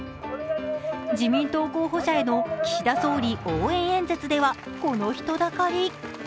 自民党候補者への岸田総理応援演説ではこの人だかり。